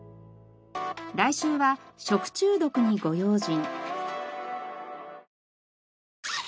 来週は食中毒にご用心。